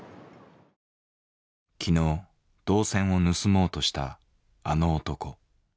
昨日銅線を盗もうとしたあの男。